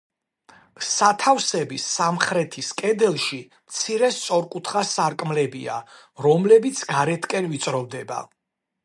სათავსების სამხრეთის კედელში მცირე სწორკუთხა სარკმლებია, რომლებიც გარეთკენ ვიწროვდება.